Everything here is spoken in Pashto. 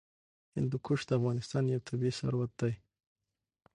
هندوکش د افغانستان یو طبعي ثروت دی.